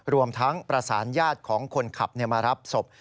รวมทั้งประสานญาติของคนขับมารับศพ